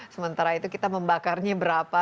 sementara itu kita membakarnya berapa